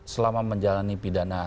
selama menjalani pidana